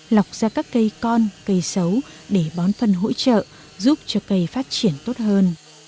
lọc ra các cây con cây xấu để bón phân hỗ trợ giúp cho cây phát triển tốt hơn